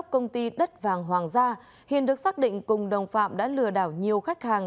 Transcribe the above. khi đất vàng hoàng gia hiền được xác định cùng đồng phạm đã lừa đảo nhiều khách hàng